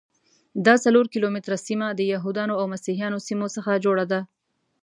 دا څلور کیلومتره سیمه د یهودانو او مسیحیانو سیمو څخه جوړه ده.